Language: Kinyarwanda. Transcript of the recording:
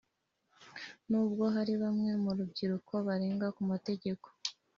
Nubwo hari bamwe mu rubyiruko barenga ku mategeko